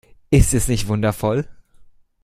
Ist es nicht wundervoll?